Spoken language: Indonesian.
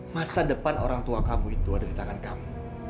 masa depan orang tua kamu itu ada di tangan kamu